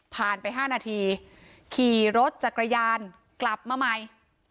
ผ่านไป๕นาทีขี่รถจักรยานกลับมาใหม่